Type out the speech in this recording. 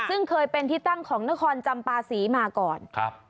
ซึ่งเคยเป็นที่ตั้งของนครจำปาศรีมาก่อนครับ